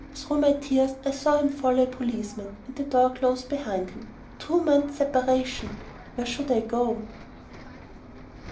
Through my tears I saw him follow a policeman, and the door closed behind him. Two months' separation! Where should I go?